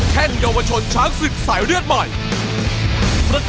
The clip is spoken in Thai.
แค่งเยาวชนช้างศึกสายเลือดใหม่